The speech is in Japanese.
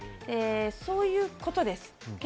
そういうことです。